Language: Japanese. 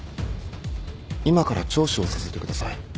今から聴取をさせてください。